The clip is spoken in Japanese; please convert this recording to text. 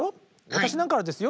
私なんかはですよ